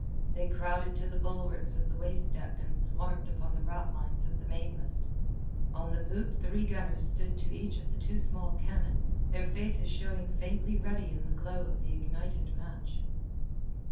They crowded to the bulwarks of the waist deck and swarmed upon the rat lines of the mainmast. On the poop three gunners stood to each of the two small cannon, their faces showing faintly ruddy in the glow of the ignited match.